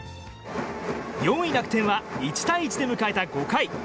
４位、楽天は１対１で迎えた５回。